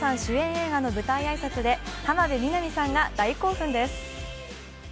映画の舞台挨拶で浜辺美波さんが大興奮です。